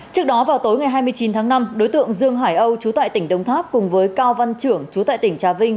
trước đó vào tối ngày hai mươi chín tháng năm đối tượng dương hải âu chú tại tỉnh đông tháp cùng với cao văn trưởng chú tại tỉnh trà vinh